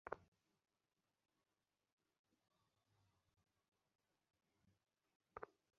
সুতরাং যে কাজে পরের উপকার হয়, তাই করা উচিত।